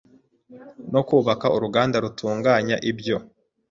no kubaka uruganda rutunganya ibyo